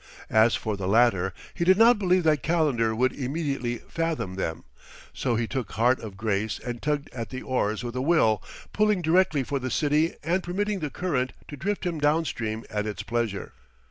As for the latter, he did not believe that Calendar would immediately fathom them; so he took heart of grace and tugged at the oars with a will, pulling directly for the city and permitting the current to drift him down stream at its pleasure.